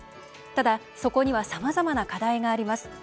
ただ、そこにはさまざまな課題があります。